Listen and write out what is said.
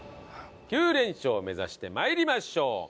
９連勝目指して参りましょう！